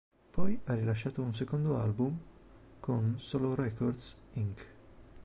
Poi ha rilasciato un secondo album "لسة صغيرة" con Solo Records Inc.